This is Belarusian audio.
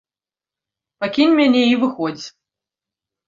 Пакінь мяне і выходзь!